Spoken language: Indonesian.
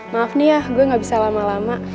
maaf nih ya gue gak bisa lama lama